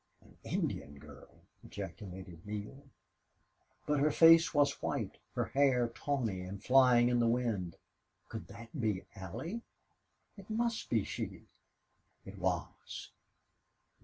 "An Indian girl!" ejaculated Neale. But her face was white, her hair tawny and flying in the wind. Could that be Allie? It must be she. It was.